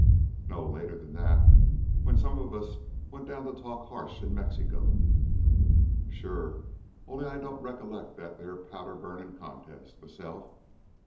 "No, later than that when some of us went down to talk harsh in Mexico." "Sure. Only I don't recollect that theah powder burnin' contest, m'self.